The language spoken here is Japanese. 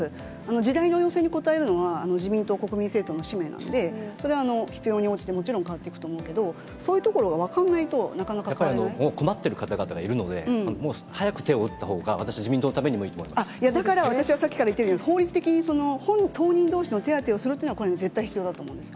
時代の要請に応えるのは、自民党、国民政党の使命なんで、それは必要に応じて、もちろん変わっていくと思うけど、そういうところがやっぱり困ってる方々がいるので、もう早く手を打ったほうが私は自民党のためにもいいと思いだから、私はさっきから言っているように、法律的に本人、当人どうしの手当てをするっていうのはこれは絶対に必要だと思うんですよ。